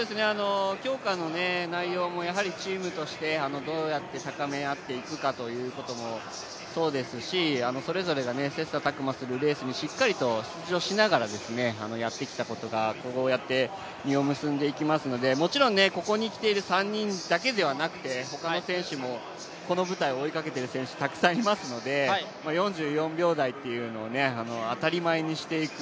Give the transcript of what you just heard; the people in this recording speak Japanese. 強化の内容もチームとしてどうやって高め合っていくかということもそうですしそれぞれが切磋琢磨するレースに出場してやってきたことがこうやって実を結んでいきますのでもちろんここに来ている３人だけではなくて、他の選手もこの舞台を追いかけてる選手たくさんいますので４４秒台というのを当たり前にしていく